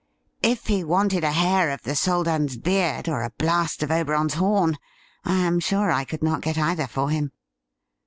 If he wanted a hair of the Soldan's beard or a blast of Oberon's horn, I am sure I could not get either for him.'